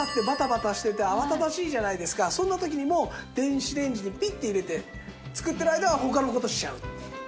そんな時にも電子レンジにピッて入れて作ってる間は他の事をしちゃう。